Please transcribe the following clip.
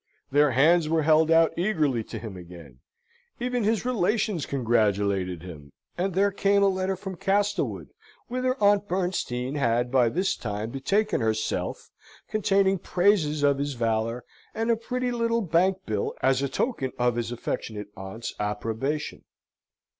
Their hands were held out eagerly to him again. Even his relations congratulated him; and there came a letter from Castlewood, whither Aunt Bernstein had by this time betaken herself, containing praises of his valour, and a pretty little bank bill, as a token of his affectionate aunt's approbation.